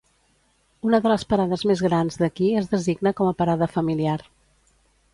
Una de les parades més grans d'aquí es designa com a parada familiar.